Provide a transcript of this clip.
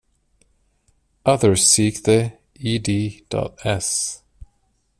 Others seek the Ed.S.